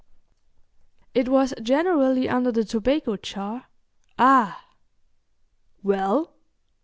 "It was generally under the tobacco jar. Ah!" "Well?"